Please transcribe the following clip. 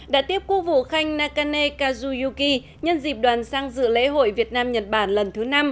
đã tiếp quốc vụ khanh nakane kazuyuki nhân dịp đoàn sang dự lễ hội việt nam nhật bản lần thứ năm